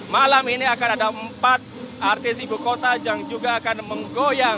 malam ini akan ada empat artis ibu kota yang juga akan menggoyang